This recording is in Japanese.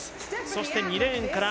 そして２レーンから、